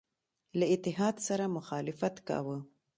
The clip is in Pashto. له اتحاد سره مخالفت کاوه.